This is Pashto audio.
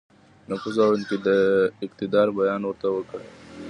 نفوذ او اقتدار بیان ورته وکړ.